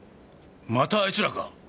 またあいつらか！？